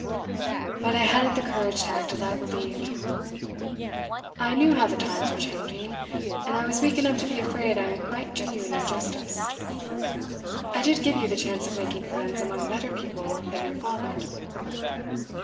But I hadn't the courage to act as I believed. I knew how the times were changing, and I was weak enough to be afraid I might do you an injustice. I did give you the chance of making friends among better people than your father.